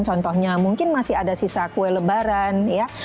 contohnya mungkin masih ada sisa kue lebaran ya